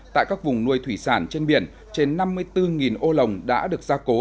tại các vùng nuôi thủy sản trên biển trên năm mươi bốn ô lồng đã được gia cố